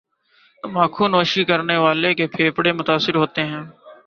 تمباکو نوشی کرنے والے کے پھیپھڑے متاثر ہوتے ہیں